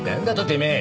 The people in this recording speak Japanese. てめえ！